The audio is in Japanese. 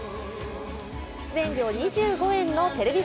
出演料２５円のテレビ